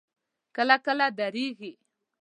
کله کله درېږي.